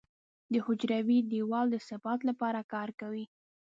د حجروي دیوال د ثبات لپاره کار کوي.